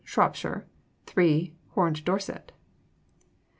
Shropshire. 3. Horned Dorset.